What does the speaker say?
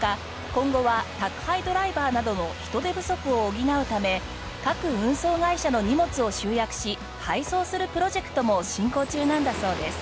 今後は宅配ドライバーなどの人手不足を補うため各運送会社の荷物を集約し配送するプロジェクトも進行中なんだそうです。